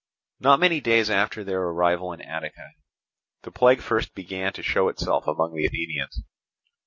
Not many days after their arrival in Attica the plague first began to show itself among the Athenians.